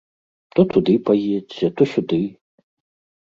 То туды паедзьце, то сюды.